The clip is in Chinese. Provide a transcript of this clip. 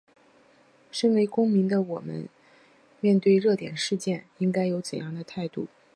它们的游水速度很快。